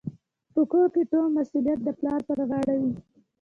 په کور کي ټول مسوليت د پلار پر غاړه وي.